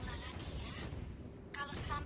kalau dia itu nelfon orang